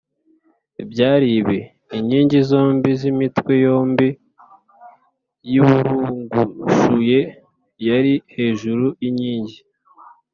Byari ibi: inkingi zombi n’imitwe yombi yiburungushuye yari hejuru y’inkingi